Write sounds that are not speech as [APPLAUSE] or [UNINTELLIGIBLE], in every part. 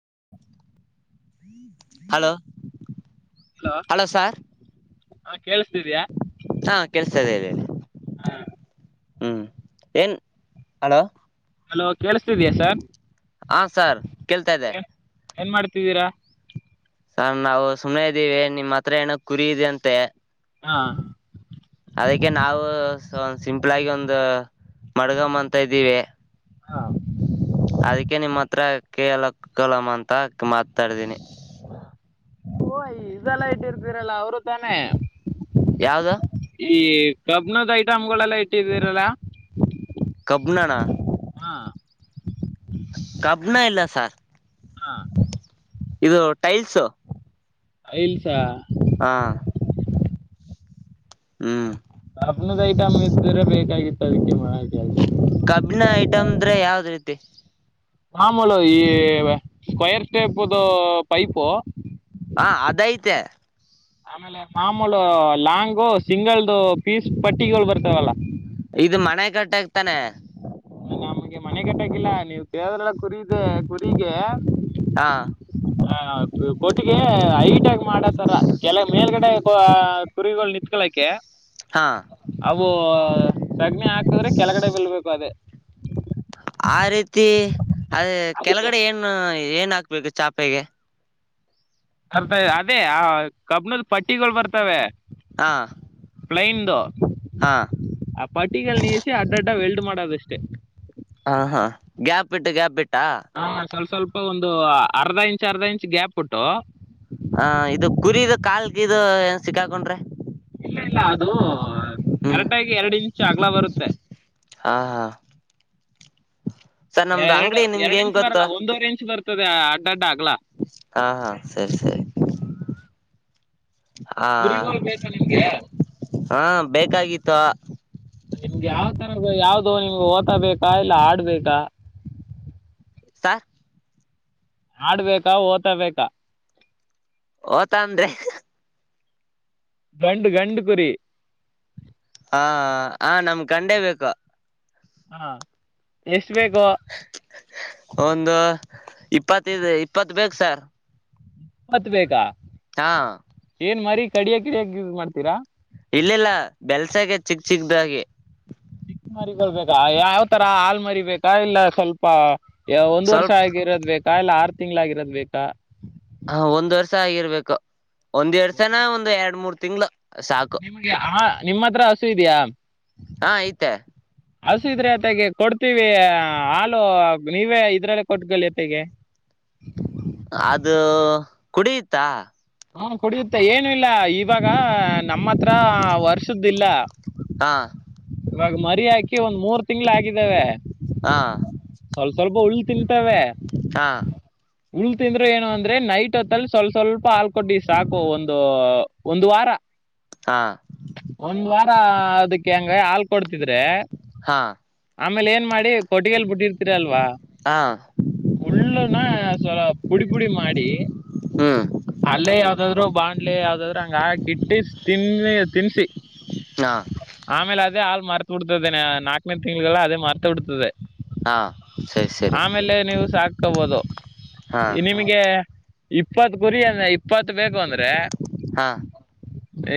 [UNINTELLIGIBLE] Hello hello sir ಹಾ ಕೇಳಿಸ್ತಿದ್ಯಾ ಹಾ ಕೆಳ್ಸತದೆ ಹೇಳಿ. ಹಾ ಹ್ಮ್ ಏನ್ ಹಲೋ. ಹಲೋ ಕೇಳುಸ್ತಿದ್ಯ ಸರ್. ಹಾ ಸಾರ್ ಕೇಳ್ತಾದೆ. ಏನ್ ಮಾಡ್ತಿದ್ದೀರಾ. ಸ ನಾವು ಸುಮ್ಮನೆ ಇದೀವಿ ನಿಮ್ಮ್ ಹತ್ರ ಏನಕ್ ಕುರಿ ಇದೆ ಅಂತೆ. ಹಾ ಅದಕ್ಕೆ ನಾವು ಸೊ ಸಿಂಪ್ಲ್ ಆಗಿ ಒಂದು ಮಡ್ಗಮ್ಮ ಅಂತ ಇದ್ದೀವಿ. ಹಾ ಅದಕ್ಕೆ ನಿಮ್ಮ ಹತ್ರ ಕೇಳಕ್ ಕಲಮ ಅಂತ ಮಾತಾಡ್ದೀನಿ. ಓ ಇದೆಲ್ಲ ಇಟ್ಟಿರ್ತೀರಲ್ಲ ಅವ್ರು ತಾನೇ. ಯಾವ್ದು ಈ ಕಬ್ನದ್ ಐಟಮ್ಗಳೆಲ್ಲಾ ಇಟ್ಟಿದೀರಲ್ಲ. ಉನ್ನಣ ಕಬ್ಣ ಇಲ್ಲ ಸಾರ್. ಹಾ ಇದು ಟೈಲ್ಸು. ಐಲ್ಸಾ ಹಾ ಹ್ಮ್ ಕಬ್ಣದ ಐಟಂ ಇದಿದ್ರೆ ಬೇಕಾಗಿತ್ತು ಅದಕ್ಕೆ ಬಾ ಕಬ್ಣ ಐಟಂ ಅಂದ್ರೆ ಯಾವ್ದ್ ರೀತಿ. ಮಾಮೂಲು ಈ ಸ್ಕ್ವಯರ್ ಟೇಪ್ದು ಪೈಪು. ಹಾ ಅದ್ ಐತೆ. ಆಮೇಲೆ ಮಾಮೂಲು ಲಾಂಗು ಸಿಂಗಲ್ದು ಪೀಸ್ ಪಟ್ಟಿಗಳು ಬರ್ತವಲ್ಲ. ಇದು ಮನೆ ಕಟ್ಟಕ್ತನೆ. ನಮ್ಗೆ ಮನೆ ಕಟ್ಟಕಿಲ್ಲ ನೀವ್ ಕೇಳದ್ರೆಲ್ಲ ಕುರಿದೆ ಕುರಿಗೆ. ಹಾ ಹ ಕೊಟ್ಟಿಗೆ ಹೈಟ್ ಆಗ್ ಮಾಡತರ ಕೆಲ ಮೇಲ್ಗಡೆ ಅ ಕುರಿಗಳು ನಿತ್ಕಳಕೆ ಹಾ ಅವು ಸಗ್ಣಿ ಹಾಕದ್ರೆ ಕೆಳ್ಗಡೆ ಬಲ್ಬೇಕ್. ದೆ ಆ ರೀತಿ ಅದ್ ಅದಕ್ಕೆ ಕೆಳಗಡೆ ಏನು ಏನ್ ಹಾಕ್ಬೇಕು ಚಾಪೆಗೆ. ಅರ್ಥೈ ಅದೇ ಆ ಕಬ್ಣದ ಪಟ್ಟಿಗಳ್ ಬರ್ತವೆ. ಹಾ ಪ್ಲೈನ್ದು ಹಾ ಆ ಪಟ್ಟಿಗೆಲ್ಲಿ ನೀಸಿ ಅಡ್ಡ ಅಡ್ಡ ವೆಲ್ಡ್ ಮಾಡೋದಷ್ಟೆ ಹ ಹಾ ಗ್ಯಾಪ್ ಇಟ್ಟ ಕ್ಯಾಪ ಇಟ್ಟಾ ಹಾಂ ಸ್ವಲ್ಪ ಸ್ವಲ್ಪ ಒಂದು ಅರ್ಧ ಇಂಚ್ ಅರ್ಧ ಇಂಚ್ ಗ್ಯಾಪ್ ಉಟ್ಟು ಹ ಇದು ಕುರದು ಕಾಲ್ಗಿದದು ಏನ್ ಸಿಕ್ಕಾಕೊಂಡ್ರಿ ಇಲ್ಲ ಇಲ್ಲ ಅದು ಹ್ಮ್ ಕರೆಟಾಗಿ ಎರಡು ಇಂಚ್ ಅಗ್ಲ ಬರುತ್ತೆ ಹಾ ಹಾ ಸರ್ ನಮ್ದು ಎರಡು ಅಂಗಡಿ ನಿಮ್ಗೆ ಎರಡು ಹೆಂಗ್ ಇಂಚ್ ಗೊತ್ತು ಬರಲ್ಲ ಒಂದೂವರೆ ಇಂಚ್ ಬರ್ತದೆ ಅಡ್ಡ ಅಗಲ ಹಾ ಹಾ ಸರಿ ಸರಿ ಹಾ ಕುರಿಗಳು ಬೇಕಾ ನಿಮ್ಗೆ ಹಾ ಬೇಕಾಗಿತ್ತು ನಿಮ್ಗೆ ಯಾವ್ ತರದ ಯಾವ್ದು ನಿಮ್ಗೆ ಓತಬೇಕಾ ಇಲ್ಲ ಆಡ್ಬೇಕಾ ಸಾರ್ ಆಡ್ಬೇಕಾ ಓದತ ಬಾ ಓತ ಅಂದ್ರೆ ಗಂಡು ಗಂಡು ಕುರಿ ಹಾ ಹ ನಮ್ ಗಂಡೇ ಬೇಕು ಹಾ ಎಷ್ಟು ಬೇಕು ಇಪ್ಪತ್ತದು ಇಪ್ಪತ್ ಬೇಕು ಸರ್ ಇಪ್ಪತ್ತು ಬೇಕ ಹಾ ಏನ್ ಮಾರಿ ಕಡಿಯ ಕಿಡಿಯಕ ಯೂಸ್ ಮಾಡ್ತೀರಾ ಇಲ್ಲಿಲ್ಲ ಬೆಲ್ಸಾಗ ಚಿಕ್ ಚಿಕ್ದಾಗಿ ಚಿಕ್ಕ ಮಾರಿಕೊಳ್ಬೇಕಾ ಯಾವ ತರ ಹಾಲ್ ಮರಿಬೇಕಾ ಇಲ್ಲ ಸ್ವಲ್ಪ ಒಂದ್ ವರ್ಷ ಸ್ವಲ್ಪ ಆಗಿರೋದ್ ಬೇಕಾ ಇಲ್ಲ ಆರು ತಿಂಗ್ಗಳಾಗಿರೋದ್ ಬೇಕಾ ಹ ಒಂದ್ ವರ್ಷ ಆಗಿರ್ಬೇಕು ಒಂದ್ ವರ್ಸನ ಒಂದ್ ಎರಡ್ ಮೂರ್ ತಿಂಗ್ಳ ನಿಮಗೆ ಆ ನಿಮ್ಮ ಹತ್ರ ಹಸು ಇದೆಯಾ ಹಾ ಐತೆ ಹಸ ಇದ್ರೆ ಅತೆಗೆ ಕೊಡ್ತೀವಿ ಹಾಲು ನೀವೇ ಇದ್ರಲ್ಲ ಕೊಟ್ಟಗಲ್ಯತೆಗೆ ಅದು ಕುಡಿಯುತ್ತಾ ಹಾ ಕುಡಿಯುತ್ತೆ ಏನು ಇಲ್ಲ ಇವಾಗ ನಮ್ಮ ಹತ್ರ ವರ್ಷದಿಲ್ಲ ಹಾ ಇವಾಗ ಮರಿ ಹಾಕಿ ಒಂದ್ ಮೂರ್ ತಿಂಗಳ ಆಗಿದ್ದಾವೆ ಹಾ ಸ್ವಲ್ಪ ಸ್ವಲ್ಪ ಉಳ್ ತಿಂತವೆ ಹಾ ಉಲ್ ತಿಂದರು ಏನು ಅಂದ್ರೆ ನೈಟ್ ಹೊತ್ತಲ್ಲಿ ಸ್ವಲ್ಪ ಸ್ವಲ್ಪ ಹಾಲ್ಕಟ್ಟು ಸಾಕು ಒಂದು ಒಂದು್ ವಾರ ಹಾ ಒಂದ್ ವಾರ ಅದಕ್ಕೆ ಹೆಂಗ ಹಾಲ್ ಕೊಡ್ತಿದ್ರೆ ಹಾ ಆಮೇಲೆ ಏನ್ ಮಾಡಿ ಕೊಟ್ಟಿಗೆಲ್ ಬಿಟ್ಟಿರ್ತೀರ ಅಲ್ವಾ ಹಾ ಉಳ್ಳು ಲ ಪುಡಿ ಪುಡಿ ಮಾಡಿ ಹ್ಮ್ ಅಲ್ಲೇ ಯಾವ್ದಾದ್ರು ಬಾಾಣ್ಲೆ ಯಾವ್ದಾದ್ರರು ಹಂಗ ಹಾಕಿ ಇಟ್ಟಿ ತಿನ್ನಿ ತಿನ್ಸಿ ಹಾ ಆಮೇಲೆ ಅ ಅದೆ ಹಾಲ್ ಮತ ಬಿಡ್ತದೆೇ ನಾಲ್ಕನೇ ತಿಂಗಳಲ್ಲ ಅದ ಮತ ಬಿಡ್ತದೆ ಹಾ ಸರಿ ಸರಿ ಆಮೇಲೆ ನೀವು ಸಾಕ ಹಬಹುದು ಹಾ ನಿಮ್ಗೆ ಇಪ್ಪತ್ ಕುರಿ ಅಂದ ಇಪ್ಪತ್ತು ಬೇಕು ಅಂದ್ರೆ ಹಾ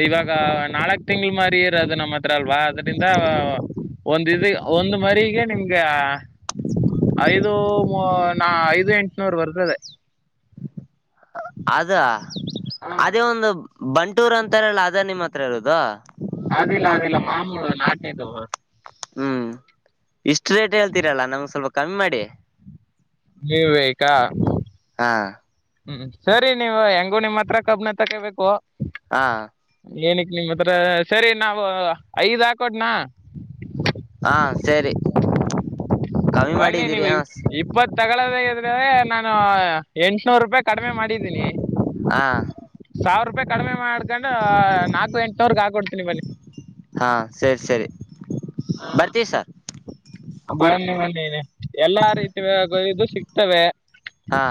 ಇವಾಗ ನಾಲ್ಕ್ ತಿಂಗಳ ಮರಿ ಇರೋದು ನಮ್ಮ ಹತ್ರ ಅಲ್ವಾ ಅದ್ರಿಂದ ಒಂದ ಇ ಒಂದ್ ಮರಿಗ ನಿಮ್ಗ ಐದು ನಾ ಐದು ಎಂಟನೂರ್ ಬರ್ತದೆ ಅದ ಹಾ ಅದೇ ಒಂದು ಬಂಟೂರ್ ಅಂತಾರಲ್ಲ ಅದ ನಿಮ್ಮ ಹತ್ರ ಇರೋದು ಅದಿಲ್ಲ ಅದಿಲ್ಲ ಮಾಮೂಲು ನಾಟದು ಹ್ಮ್ ಇಷ್ಟು ರೇಟ್ ಹೇಳ್ತೀರಲ್ಲ ನಮ್ಗೆ ಸ್ವಲ್ಪ ಕಮ್ಮಿ ಮಾಡಿ ಇವೇಕ ಹಾ ಹ್ಮ್ ಸರಿ ನೀವ್ ಹೆಂಗು ನಿಮ್ಮ್ ಹತ್ರ ಕಬ್ನ ತಕೋಬೇಕು ಹಾ ಏನಕ್ ನಿಮ ಹತ್ರ ಸರಿ ನಾವು ಐದ್ ಹಾಕೋಡ್ನಾ ಹಾ ಸರಿ ಕಮ್ಮಿ ಬನ್ನಿ ಮಾಡಿದ್ದೀರಿ ನೀವು ಹ ಇಪ್ಪತ್ತು ತಗೊಳ್ಳೋದಾಗ್ರೆ ನಾನು ಎಂಟುನೂರು ರೂಪಾಯಿ ಕಡಿಮೆ ಮಾಡಿದ್ದೀನಿ ಹ ಸಾವಿರ ರೂಪಾಯಿ ಕಡಿಮೆ ಮಾಡ್ಕೊಂಡು ನಾಲ್ಕು ಎಂಟವರ್ಗೆ ಹಾಕೊಡ್ತೀನಿ ಬನ್ನಿ ಹಾ ಸರಿ ಸರಿ ಬರ್ತೀವಿ ಸರ್ ಎಲ್ಲಾ ರೀತಿ ಇದು ಸಿಗ್ತವೆ ಹಾ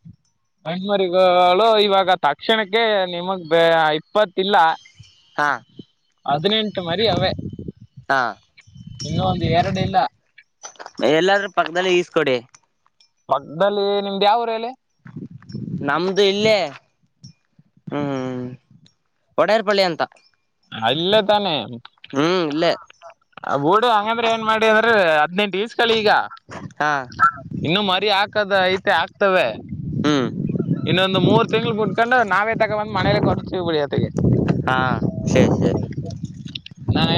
[INAUDIBLE] ಹಣ್ಮರಿಗಳು ಇವಾಗ ತಕ್ಷಣಕ್ಕೆ ನಿಮಗ್ ಬ ಇಪ್ಪತ್ತಲ್ಲ ಹಾ ಹದಿನೆಂಟು ಮರಿ ಅವೆ ಹಾ ಇನ್ನೂ ಒಂದು ಎರಡು ಇಲ್ಲ ಎಲ್ಲಾದೂ ಪಕ್ಕದದಲ್ಲಿ ಈಸ್ಕೊಡಿ ಮಗ್ದಲ್ಲಿ ನಿಮ್ದ್ ಯಾವರು ಹೇಳಲ್ಲಿ ನಮ್ದು ಇಲ್ಲೇ ಹ್ಮ್್ಮ್ ಒಡೆಯರ್ ಪಳ್ಳಿ ಅಂತ ಅಲ್ಲೇ ತಾನೆ ಹ್ಮ್ ಇಲ್ಲೇ ೂಡು ಹಂಗಂದ್ರೆ ಏನ್ ಮಾಡಿ ಅಂದ್ರೆ ಹದ್ಿನೆಂಟು ಬೀಸ್ಕಳಿ ಈಗ ಹಾ ಇನ್ನು ಮರಿ ಹಾಕದ ಐತೆ ಹಾಕ್ತವೆ ಹ್ಮ್ ಇನ್ನೊಂದು ಮೂರ್ ತಿಂಗಳ ಬಿಟ್ಕೊಂಡು ನಾವೇ ತಗೊ ಬಂದ್ ಮನೇಲಿ ಕೊಡ್ತೀವಿ ಬಿಳಿಯೊತೆಗೆ ಹ ಸರಿ ಸರಿ ನಾನ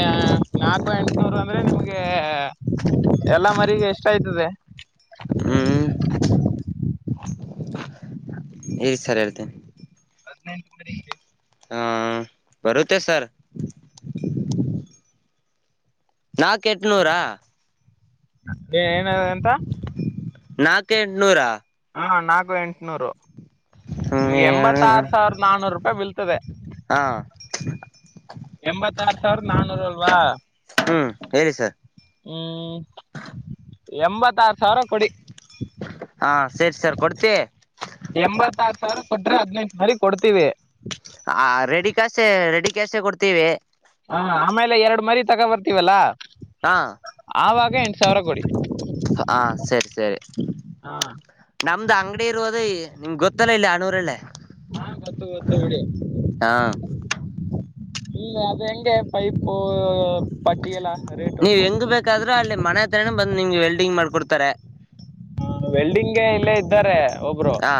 ನಾಲ್ಕು ಎಂಟನೂರು ಅಂದ್ರೆ ನಿಮ್ಗೆ ಎಲ್ಲ ಮರಿಗ ಎಷ್ಟ ಆಯ್ತದೆ ಹ್ಮ್ ಇ ಸರಿ ಇತ ಹದಿನೆಂಟು ಮನೆಲ್ಲಿ ಹಾ ಬರುತ್ತೆ ಸರ್ ನಾಕ ಎಟ್ನೂರಾ ಏನ ಎಂತ ನಾಕ ಎಂಟನೂರ ಹಾ ನಾಲ್ಕು ಎಂಟುನೂರು ಹ್ಮ್ ನಿಮ್ಗೆ ಹೇಳಣ ಎಂಬತ್ತಾರ ಸಾವಿರದ ನಾನನೂರು ರೂಪಾಯಿ ಬಲ್ತದೆ ಹಾ ಎಂಬತ್ತ ಆಾರ ಸಾವಿರದ ನಾನೂರು ಅಲ್ವಾ ಹ್ಮ್ ಹೇಳಿ ಸರ್ ಹ್ಮ್ ಎಂಬತ್ತ ಆಾರ ಸಾವಿರ ಕೊಡಿ ಹಾ ಸರಿ ಸರ್ ಕೊಡ್ತಿ ಎಂಬತ್ತಾರು ಸಾವಿರ ಕೊಟ್ರೆ ಹದ್ೈದು ಸಾರಿ ಕೊಡ್ತೀವಿ ಕೆಲಸ ಕೊಡ್ತೀವಿ ಹ ಆಮೇಲೆ ಎರಡು ಮರಿ ತಗೋ ಬರ್ತೀವಲ್ಲ ಹಾ ಆವಾಗ ಎಂಟ ಸಾವಿರ ಕೊಡಿ ಹಾ ಸರಿ ಸರಿ ಹಾ ನಮ್ದು ಅಂಗಡಿ ಇರುೋದ ನಿಮ್ಗೆ ಗೊತ್ತಲ್ಲ ಇಲ್ಲ ಆ ನೂರಲ್ಲೇ ಹಾ ಗೊತ್ತು ಗೊತ್ತು ಉಡಿ ಹಾ ಹಲ್ಲ ಅದು ಹೆಂಗೆ ಪೈಪ ನೀವ್ ಹೆಂಗ ಬೇಕಾದ್ರೂ ಅಲ್ಲಿ ಮನೆ ಹತ್ರನನ ಬಂದು ನಿಮ್ಗೆ ವೆಲ್ಡಿಂಗ್ ಮಾಡಕೊಡ್ತಾರೆ ವೆಲ್ಡಿಂಗ್ಗೆ ಇಲ್ಲೇ ಇದ್ದಾರೆ ಒಬ್ರು ಹಾ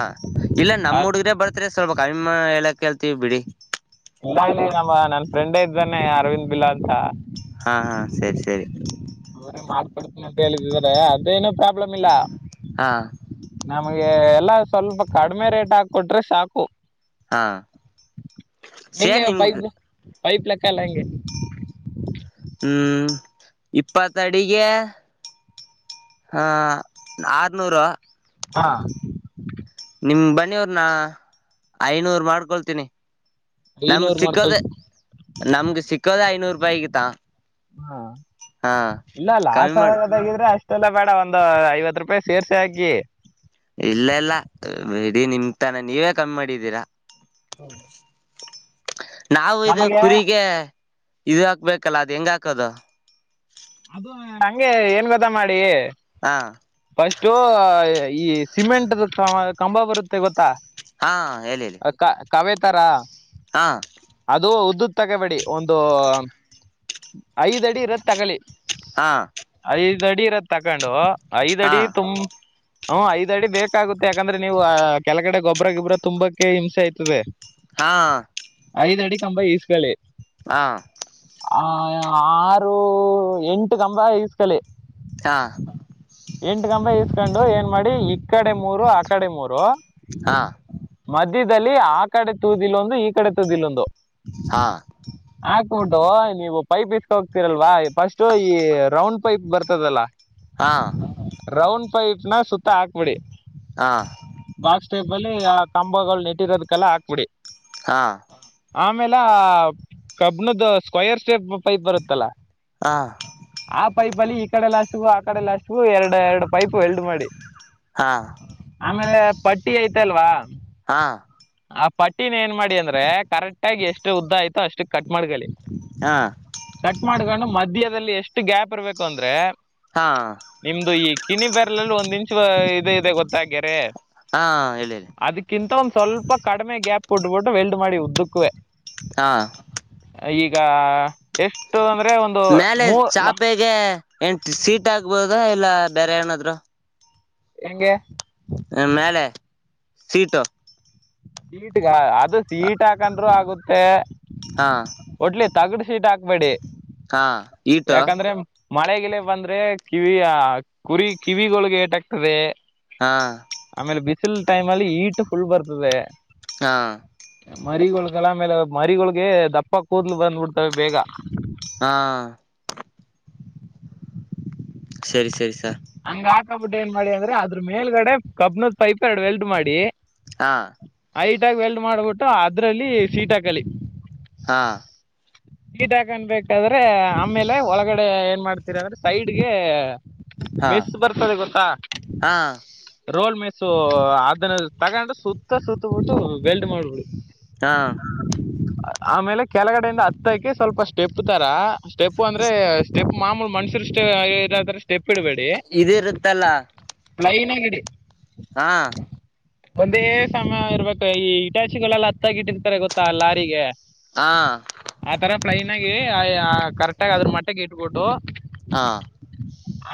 ಇಲ್ಲ ನಮ್ಮ್ ಹುಡ್ಗ್ರೆ ಬರ್ತ್ರಿ ಸ್ವಲ್ಪ ಕಮ್ಮ ಹೇಳಕ್ ಹೇಳ್ತೀವ ಬಿಡಿ ನಮ್ಮ ನನ್ ಫ್ರೆಂಡೇ ಇದ್ದಾನೆ ಅರವಿಂದ್ ಬಿಲಾದ್ ಹಾ ಹಾ ಸರಿ ಸರಿ ಅವ್ರೇ ಮಾಡ್ಬಡ್ತೀನ ಅಂತ ಹೇಳಿದಿದ್ದಾರೆ ಅದೇನು ಪ್ರಾಬ್ಲಮ್ ಇಲ್ಲ. ಹಾ. ನಮಗೆ ಎಲ್ಲಾ ಸ್ವಲ್ಪ ಕಡಿಮೆ ರೇಟ್ ಹಾಕ್ ಕೊಟ್ರೆ ಸಾಕು. ಹಾ. ಸೇರ್ ಹೆಂಗೆ ನಿಮ್ಗ್ ಪೈಪ್ದು ಪೈಪ್ ಲೆಕ್ಕ ಎಲ್ಲಾ ಹೆಂಗೆ. ಹ್ಮ್ ಇಪ್ಪತ್ತಡಿಗೆ ಹಾ ಆರನೂರು. ಹಾ. ನಿಮ್ ಬನ್ನಿ ಅವ್ರ್ನ ಐನೂರ್ ಮಾಡ್ಕೊಳ್ತೀನಿ. ನಮ್ಗ್ ಐನೂರು ಸಿಕ್ಕೋದೇ ಮಾಡ್ಕೊಳ್ತಿ ನಮ್ಗೆ ಸಿಕ್ಕೋದೇ ಐನೂರು ರೂಪಾಯಿ ಗೀತಾ. ಹಾ ಇಲ್ಲ ಕಮ್ಮಿ ಲಾಸ್ ಮಾಡು ಆಗದಾಗಿದ್ರೆ ಅಷ್ಟೆಲ್ಲಾ ಬೇಡ ಒಂದು ಐವತ್ತು ರೂಪಾಯಿ ಸೇರ್ಸಿ ಹಾಕಿ. ರೀ ನಿಮ್ ತಾನೇ ನೀವೇ ಕಮ್ ಮಾಡಿದ್ದೀರಾ. ಹಾ. ನಾವು ಇದು ಕುರಿಗೆ ಇದು ಹಾಕ್ಬೇಕಲ್ಲ ಅದು ಹೆಂಗ್ ಹಾಕೋದು. ಅದು ಹಂಗೆ ಏನ್ ಗೊತ್ತಾ ಮಾಡಿ. ಹಾ ಫಸ್ಟು ಈ ಸಿಮೆಂಟ್ ದು ಕಂಬ ಬರುತ್ತೆ ಗೊತ್ತಾ. ಹಾ ಹೇಳಿ ಹೇಳಿ. ಕವೇತರ ಹಾ ಅದು ಉದ್ದದ್ ತಗಬೇಡಿ ಒಂದು ಐದ್ ಅಡಿ ಇರದ್ ತಗಳಿ. ಹಾ. ಐದ್ ಅಡಿ ಇರೋದ್ ತಕೊಂಡು ಐದ್ ಹಾ ಅಡಿ ತುಂಬ್ ಹ್ಮ್ ಐದ್ ಅಡಿ ಬೇಕಾಗುತ್ತೆ ಯಾಕಂದ್ರೆ ನೀವು ಆ ಕೆಳಗಡೆ ಗೊಬ್ರ ಗಿಬ್ರ ತುಂಬಕ್ಕೆ ಹಿಂಸೆ ಆಯ್ತದೆ. ಹಾ. ತಂಬಾ ಈಸ್ಕಳಿ. ಹಾ. ಆ ಆರು ಎಂಟು ಕಂಬ ಈಸ್ಕಳಿ. ಹಾ ಎಂಟು ಕಂಬ ಈಸ್ ಕೊಂಡು ಏನ್ ಮಾಡಿ ಈ ಕಡೆ ಮೂರು ಆ ಕಡೆ ಮೂರು ಹಾ. ಮಧ್ಯದಲ್ಲಿ ಆ ಕಡೆ ತುದಿಲ್ಲೊಂದು ಈ ಕಡೆ ತುದಿಲ್ಲೊಂದು. ಹಾ. ಹಾಕ್ಬಿಟ್ಟು ನೀವು ಪೈಪ್ ಇಟ್ಟ್ ಹೋಗ್ತಿರಲ್ವಾ ಫಸ್ಟು ಈ ರೌಂಡ್ ಪೈಪ್ ಬರ್ತದಲ್ಲ. ಹಾ. ರೌಂಡ್ ಪೈಪ್ ನಾ ಸುತ್ತ ಹಾಕ್ಬಿಡಿ. ಹಾ. ಬಾಕ್ಸ್ಟೈಪ್ ಅಲ್ಲಿ ಆ ಕಂಬಗಳು ನೆಟ್ಟಿರೋದಕ್ಕೆಲ್ಲ ಹಾಕ್ಬಿಡಿ. ಹಾ. ಆಮೇಲ್ ಆ ಕಬ್ಬಿಣದ ಸ್ಕ್ವಯರ್ ಶೇಪ್ ಪೈಪ್ ಬರುತ್ತಲ್ಲ. ಹಾ. ಬಲಿ ಈ ಕಡೆ ಲಾಸ್ಟ್ಗೂ ಆ ಕಡೆ ಲಾಸ್ಟ್ಗೂ ಎರಡು ಎರಡು ಪೈಪ್ ವೆಲ್ಡು ಮಾಡಿ. ಹಾ ಹಾ ಆಮೇಲೆ ಪಟ್ಟಿ ಐತಲ್ವಾ ಹಾ ಆ ಪಟ್ ಟಿನ್ ಏನ್ ಮಾಡಿ ಅಂದ್ರೆ ಕರೆಕ್ಟ್ ಆಗಿ ಎಷ್ಟ್ ಉದ್ದ ಅಯ್ತೋ ಅಷ್ಟಕ್ಕ್ ಕಟ್ ಮಾಡ್ಕೊಳಿ. ಹಾ ಕಟ್ ಮಾಡ್ಕೊಂಡು ಮಧ್ಯದಲ್ಲಿ ಎಷ್ಟು ಗ್ಯಾಪ್ ಇರ್ಬೇಕು ಅಂದ್ರೆ. ಹಾ ನಿಮ್ದು ಈ ಕಿನಿ ಬೆರ್ಲಲ್ ಒಂದ್ ಇಂಚು ಇದ್ ಇದೆ ಗೊತ್ತಾ ಗೆರೆ. ಹಾ ಹೇಳಿ ಹೇಳಿ ಅದ್ಕಿಂತ ಒಂದ್ ಸ್ವಲ್ಪ ಕಡಿಮೆ ಗ್ಯಾಪ್ ಕೊಟ್ಬಿಟ್ಟು ವೆಲ್ಡ್ ಮಾಡಿ ಉದ್ದಕ್ಕುವೆ. ಹಾ. ಈಗ ಎಷ್ಟು ಅಂದ್ರೆ ಒಂದು ಮ್ಯಾಲೆ ಮೂರ್ ನ- ಚಾಪೆಗೆ ಏನ್ ಸೀಟ್ ಹಾಕ್ಬೋದ ಇಲ್ಲ ಬೇರೆ ಏನಾದ್ರು. ಹೆಂಗೆ. ಆ ಮೇಲೆ ಸೀಟು ಸೀಟ್ ಅದು ಸೀಟ್ ಹಾಕಂದ್ರರು ಆಗುತ್ತೆ ಹಾ ಒಟ್ಲಿ ತಗಡ್ ಸೀಟ್ ಹಾಕ್ಬೇಡಿ ಹಾ ಈಟ ಯಾಕಂದ್ರೆ ಮಳೆ ಗಿಲೆ ಬಂದ್ರೆ ಕಿವಿ ಕುರಿ ಕಿವಿಗಳಿಗೆ ಏಟಾಗ್ತದೆ ಹಾ ಸಲ್ ಟೈಮ ಅಲ್ಲಿ ಈಟ್ ಫುಲ್ ಬರ್ತದೆ ಹಾ ಮರಿಗಳಗಲಮೇಲೆ ಮರಿಗಳೊಳ್ಗೆ ದಪ್ಪ ಕೂದ್ಲು ಬಂದ್ಬಿಡ್ತವೆ ಬೇಗ ಹಾ ಸರಿ ಸರಿ ಸರ್ ಹಂಗ ಹಾಕಕ್ಬಿಟ್ಟು ಏನ್ ಮಾಡಿ ಅಂದ್ರ ಅದ್ರ ಮೇಲ್ಗಡೆ ಕಬ್ನದ್ ಪೈಪ್ ಎರಡು ವೆಲ್ಟ್ ಮಾಡಿ ಹಾ ಸೀಟಾಗಿ ಎಲ್ಡ್ ಮಾಡ್ಬಿಟ್ಟು ಅದ್ರಲ್ಲಿ ಸೀಟ ಕಲಿ ಹಾ ಗೀಟ್ ಹಾಕನ್ಬೇಕಾದ್ರೆ ಆಮೇಲೆ ಒಳಗಡೆ ಏನ್ ಮಾಡ್ತೀರಿ ಅಂದ್ರೆ ಸೈಡ್ಗೆ ಹಾ ಮೆಸ್ ಬರ್ತದೆ ಗೊತ್ತಾ ಹಾ ರೋಲ್ ಮೆಸು ಅದನ್ನ ತಗೊಂಡ ಸುತ್ತ ಸುತ್ತ ಬಿಟ್ಟು ಬೆಲ್ಡ್ ಮಾಡ್ಬಿಡಿ ಹಾ ಆಮೇಲೆ ಕೆಳಗಡೆಯಿಂದ ಹತ್ತಕ ಸ್ವಲ್ಪ ಸ್ಟೆಪ್ ತರ ಸ್ಟೆಪ್ ಅಂದ್ರೆ ಸ್ಟೆಪ್ ಮಾಮೂಲ್ ಮನ್ಸರು ಸ್ಟೆಪ್ ಇಡಬೇಡಿ ಇದಿರುತ್ತಲ್ಲ ಪ್ಲೈನ್ [UNINTELLIGIBLE] ಹಾ ಒಂದೇ ಸಮಯ ಇರ್ಬೇಕು ಈ ಇಟಾಚಿಗಳೆಲ್ಲ ಹತ್ತಾಗಿಟ್ಟಿರ್ತಾರೆ ಗೊತ್ತಾ ಲಾರಿಗೆ ಹಾ ಪ್ಲೈನ್ ಆಗಿ ಕರೆಕ್ಟ ಆಾಗಿ ಅದ್ರ ಮಟ್ಟಿಗೆ ಇಟ್ಬಿಟ್ಟು ಹಾ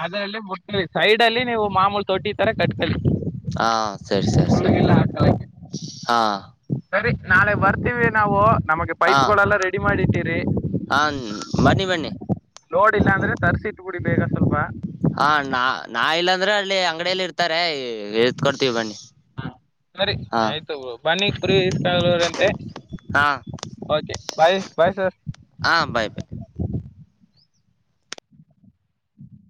ಅದಲ್ಲಲ್ಲಿ ಮುಟ್ಕಿ ಸೈಡ್ ಅಲ್ಲಿ ನೀವು ಮಾಮೂಲ್ ತೊಟ್ಟಿ ತರ ಕಟ್ಕಳ ಹಾ ಸರಿ ಸರಿ ಸರಿ ಹಾಕಲ್ಲ ಹಾ ಸರಿ ನಾಳೆ ಬರ್ತೀವಿ ನಾವು ನಮಗೆ ಹಾ ಪೈಪ್ಗಳೆಲ್ಲ ರೆಡಿ ಮಾಡಿ ಇಟ್ಟರಿ ಹ ಬನ್ನಿ ಬನ್ನಿ ನೋಡಿಲ್ಲ ಅಂದ್ರೆ ತರ್ಸಿಟ್ಬ ಬಿಡಿ ಬೇಗ ಸ್ವಲ್ಪ ಹಾ ನಾ ನಾ ಇಲ್ಲಾಂದ್ರೆ ಅಲ್ಲಿ ಅಂಗಡಿಯಲ್ಲಿ ಇರ್ತಾರೆ ಎತ್ಕೊಡ್ತೀವಿ ಬನ್ನಿ ಹಾ ನರಿ ಹಾ ಆಯ್ತು ಬನ್ನಿ ಪುರಿಕಾಗಳೂರಂತೆ ಹಾ ಓಕೆ ಬಾಯ್ ಬಾಯ್ ಸರ್ ಹಾ ಬಾಯ್ ಬ